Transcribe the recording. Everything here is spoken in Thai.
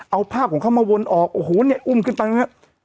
เอาผ้าของเขามาวนออกโอ้โหเนี่ยอุ้มขึ้นไป